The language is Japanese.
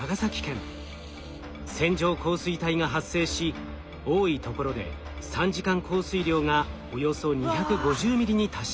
線状降水帯が発生し多いところで３時間降水量がおよそ２５０ミリに達しました。